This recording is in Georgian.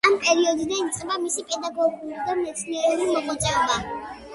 ამ პერიოდიდან იწყება მისი პედაგოგიური და მეცნიერული მოღვაწეობა.